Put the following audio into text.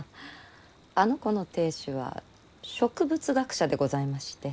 あの子の亭主は植物学者でございまして。